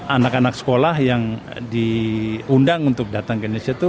anak anak sekolah yang diundang untuk datang ke indonesia itu